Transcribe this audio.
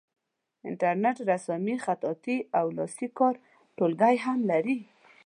انټرنیټ رسامي خطاطي او لاسي کار ټولګي هم لري.